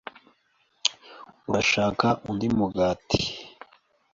Urashaka undi mugati?